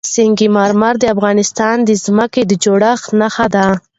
سنگ مرمر د افغانستان د ځمکې د جوړښت نښه ده.